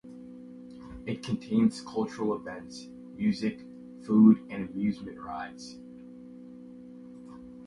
It contains cultural events, music, food and amusement rides.